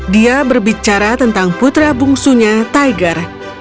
dia berbicara tentang putra bungsunya tiger